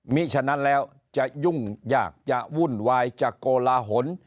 มีฉะนั้นแล้วจะยุ่งยากจะวุ่นวายจะโกลาหล